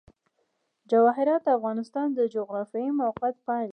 جواهرات د افغانستان د جغرافیایي موقیعت پایله ده.